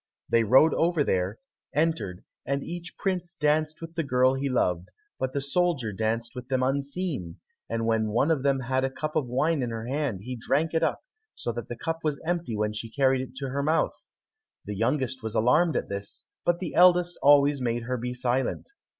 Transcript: They rowed over there, entered, and each prince danced with the girl he loved, but the soldier danced with them unseen, and when one of them had a cup of wine in her hand he drank it up, so that the cup was empty when she carried it to her mouth; the youngest was alarmed at this, but the eldest always made her be silent.